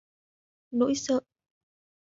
nỗi sợ